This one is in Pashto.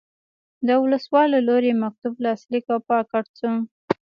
د ولسوال له لوري مکتوب لاسلیک او پاکټ شو.